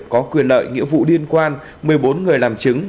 có quyền lợi nghĩa vụ liên quan một mươi bốn người làm chứng